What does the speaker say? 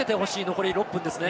残り６分ですね。